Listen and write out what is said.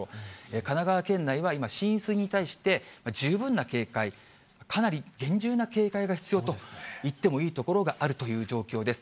神奈川県内は今、浸水に対して十分な警戒、かなり厳重な警戒が必要と言ってもいい所があるという状況です。